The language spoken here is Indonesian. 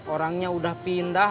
orangnya udah pindah